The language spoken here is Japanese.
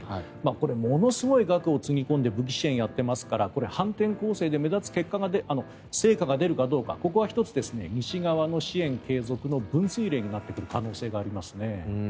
これはものすごい額をつぎ込んで武器支援をやっていますから反転攻勢で目立つ結果成果が出るかどうかここは１つ、西側の支援継続の分水嶺になっていく可能性がありますね。